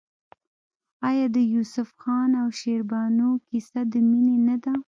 آیا د یوسف خان او شیربانو کیسه د مینې نه ده؟